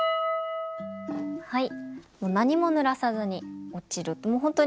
はい。